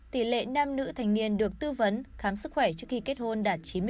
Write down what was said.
tỷ lệ nam nữ thành niên được tư vấn khám sức khỏe trước khi kết hôn đạt chín mươi năm